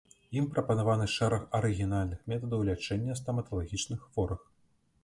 Ім прапанаваны шэраг арыгінальных метадаў лячэння стаматалагічных хворых.